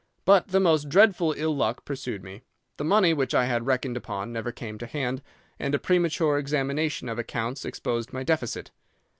But the most dreadful ill luck pursued me. The money which I had reckoned upon never came to hand, and a premature examination of accounts exposed my deficit.